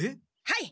はい！